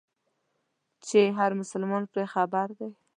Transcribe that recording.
چې هر مسلمان پرې خبر دی.